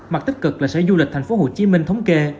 mặt tích cực là sở du lịch thành phố hồ chí minh thống kê